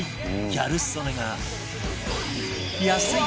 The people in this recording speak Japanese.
ギャル曽根が安い！